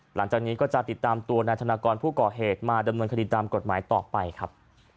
หลังจากนี้ก็จะติดตามตัวนายธนากรผู้ก่อเหตุมาดำเนินคดีตามกฎหมายต่อไปครับ